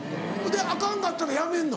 でアカンかったらやめんの？